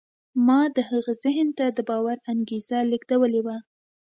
ما د هغه ذهن ته د باور انګېزه لېږدولې وه.